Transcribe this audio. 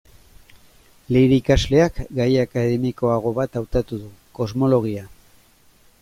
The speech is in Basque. Leire ikasleak, gai akademikoago bat hautatu du: kosmologia.